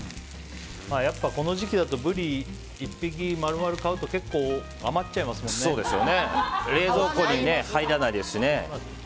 やっぱ、この時期だとブリ１匹丸々買うと冷蔵庫に入らないですしね。